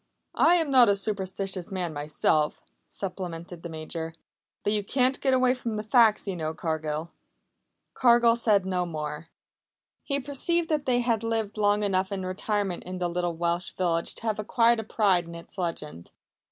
"I am not a superstitious man myself," supplemented the Major. "But you can't get away from the facts, you know, Cargill." Cargill said no more. He perceived that they had lived long enough in retirement in the little Welsh village to have acquired a pride in its legend.